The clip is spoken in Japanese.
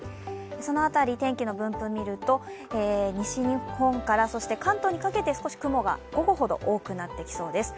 その辺り、天気の分布を見ると、西日本から関東にかけて少し雲が午後ほど多くなってきそうです。